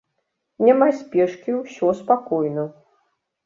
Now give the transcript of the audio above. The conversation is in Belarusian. Няма спешкі ўсё спакойна.